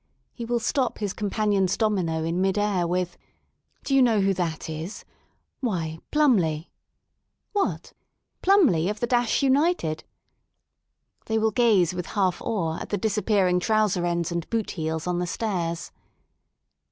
He will stop his companion's domino in mid air with Do you know who that is? Why, Plumlyl'^— What, Plumly of the Dash United?" They will gaze with half awe at the dis appearing trouser ends and boot heels on the stairs.